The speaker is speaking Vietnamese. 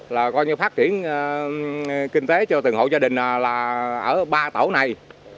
là coi như phát triển kinh tế cho từng hộ gia đình là ở ba tổ này